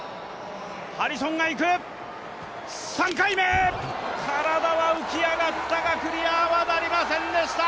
３回目、体は浮き上がったがクリアはなりませんでした。